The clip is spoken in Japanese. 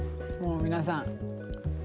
もう皆さん。